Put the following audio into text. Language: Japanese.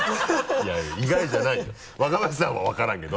いや意外じゃないよ若林さんは分からんけど。